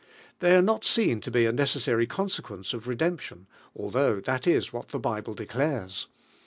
Tbey are not seen to be a accessary consequence of redemption, although that is what the Bible declares.